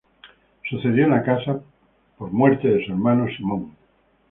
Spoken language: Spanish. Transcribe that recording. Sucedió en la casa por muerte de su hermano Simón.